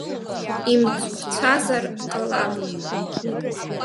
Имцхәцәазар ҟалап.